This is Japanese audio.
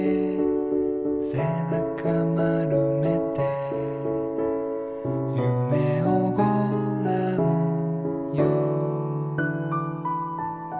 「背中まるめて夢をごらんよ」